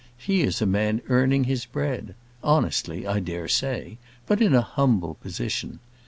He is a man earning his bread; honestly, I dare say, but in a humble position.